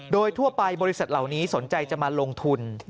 โดยทั่วไปบริษัทเหล่านี้สนใจจะมาลงทุน